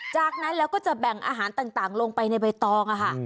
จากนั้นแล้วก็จะแบ่งอาหารต่างลงไปในใบตองค่ะ